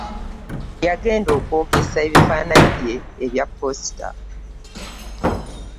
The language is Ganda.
Yagenda okwokesa ebifananyi bye ebya posita.